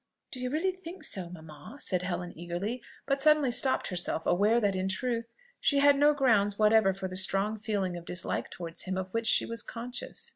"Do you really think so, mamma?" said Helen eagerly, but suddenly stopped herself, aware that in truth she had no grounds whatever for the strong feeling of dislike towards him of which she was conscious.